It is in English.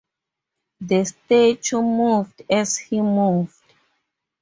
The statue moved as he moved.